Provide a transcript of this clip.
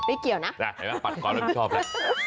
ไม่เกี่ยวนะปัดความรับผิดชอบนะ